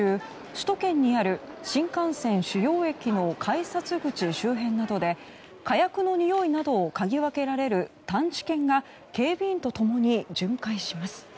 首都圏にある新幹線主要駅の改札口周辺などで火薬のにおいなどをかぎ分けられる探知犬が警備員と共に巡回します。